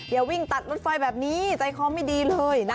อย่าวิ่งตัดรถไฟแบบนี้ใจคอไม่ดีเลยนะ